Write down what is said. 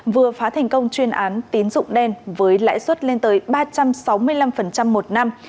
vừa phá thành công chuyên án tín dụng đen với lãi suất lên tới ba trăm sáu mươi năm một năm